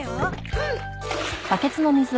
うん。